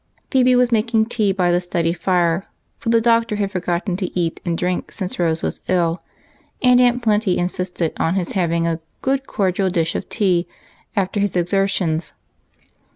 Phebe was making tea by the study fire, for the Doctor had forgotten to eat and drink since Rose was ill, and Aunt Plenty in sisted on his having a "good, cordial dish of tea" after his exertions.